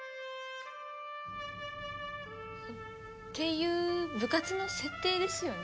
いう部活の設定ですよね？